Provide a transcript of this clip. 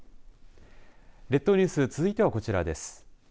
列島ニュース続いてはこちらです。